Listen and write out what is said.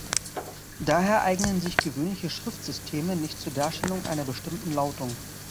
Daher eignen sich gewöhnliche Schriftsysteme nicht zur Darstellung einer bestimmten Lautung.